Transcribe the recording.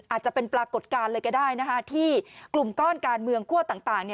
อาจจะเป็นปรากฏการณ์เลยก็ได้ที่กลุ่มก้อนการเมืองคั่วต่าง